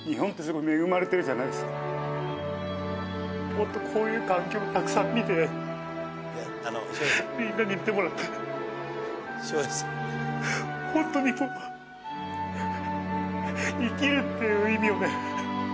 もっとこういう環境をたくさん見てみんなに見てもらってホントに生きるっていう意味をね